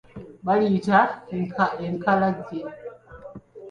Baliyita enkalajje.